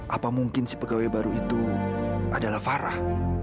apa mungkin si pegawai baru itu adalah farah